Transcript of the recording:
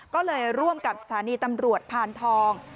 ก็เลยร่วมกับสถานีตำรวจพานทอง